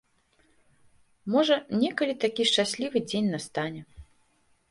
Можа, некалі такі шчаслівы дзень настане.